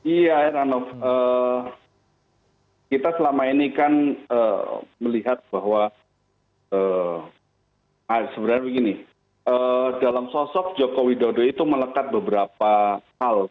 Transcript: iya heranov kita selama ini kan melihat bahwa sebenarnya begini dalam sosok jokowi dodo itu melekat beberapa hal